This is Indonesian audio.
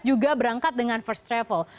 juga berangkat dengan first travel